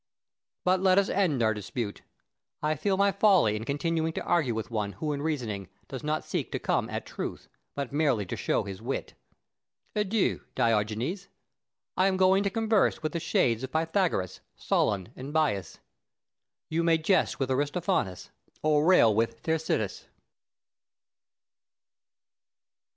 But let us end our dispute. I feel my folly in continuing to argue with one who in reasoning does not seek to come at truth, but merely to show his wit. Adieu, Diogenes; I am going to converse with the shades of Pythagoras, Solon, and Bias. You may jest with Aristophanes or rail with Thersites.